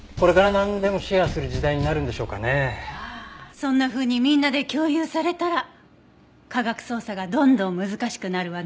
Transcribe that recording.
そんなふうにみんなで共有されたら科学捜査がどんどん難しくなるわね。